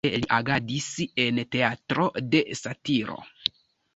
Unue li agadis en Teatro de satiro.